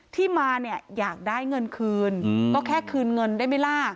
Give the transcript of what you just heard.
ที่มาเนี่ยอยากได้เงินคืนก็แค่คืนเงินได้ไหมล่ะ